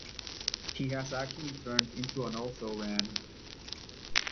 He has actually turned into an also-ran.